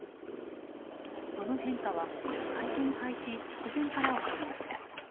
その変化は会見開始直前から起こりました。